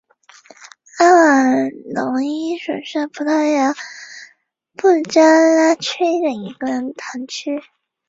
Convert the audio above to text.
卡瓦隆伊什是葡萄牙布拉加区的一个堂区。